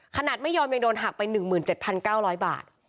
ขนาดไม่ยอมยังโดนหักไป๑๗๙๐๐บาท